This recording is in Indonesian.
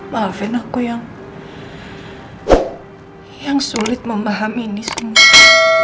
maafin aku yang sulit memahami ini semua